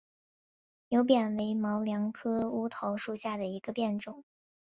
牛扁为毛茛科乌头属下的一个变种。